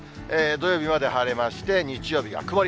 土曜日まで晴れまして、日曜日が曇り。